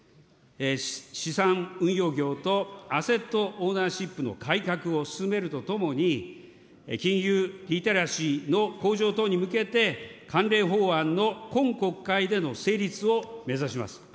資産運用業とアセットオーナーシップの改革を進めるとともに、金融リテラシーの向上等に向けて、関連法案の今国会での成立を目指します。